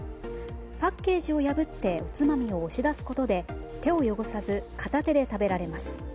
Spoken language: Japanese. パッケージを破っておつまみを押し出すことで手を汚さず片手で食べられます。